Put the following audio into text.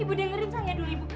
ibu dengerin saya dulu ibu